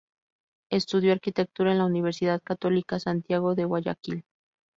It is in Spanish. Estudió arquitectura en la Universidad Católica Santiago de Guayaquil.